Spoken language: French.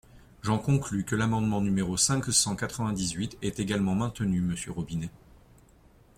J’en conclus que l’amendement numéro cinq cent quatre-vingt-dix-huit est également maintenu, monsieur Robinet.